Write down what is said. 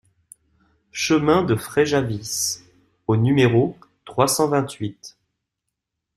Chemin de Fréjavise au numéro trois cent vingt-huit